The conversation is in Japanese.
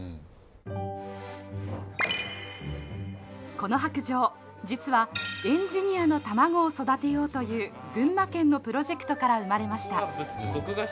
この白杖実はエンジニアの卵を育てようという群馬県のプロジェクトから生まれました。